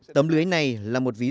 tầm lưới này là một đặc điểm